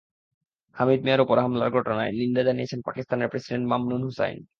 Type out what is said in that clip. হামিদ মিরের ওপর হামলার ঘটনার নিন্দা জানিয়েছেন পাকিস্তানের প্রেসিডেন্ট মামনুন হুসাইন।